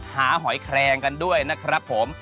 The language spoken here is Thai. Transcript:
หอยแคลงกันด้วยนะครับผม